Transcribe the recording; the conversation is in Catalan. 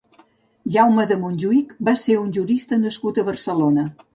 Jaume de Montjuïc va ser un jurista nascut a Barcelona.